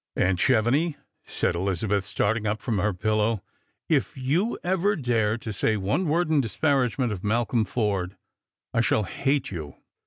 "Aunt Chevenix," said Elizabeth, starting up from her pillow, "if you ever dare to say one word in disparagement of Malcolm. Forde, I shall hate you.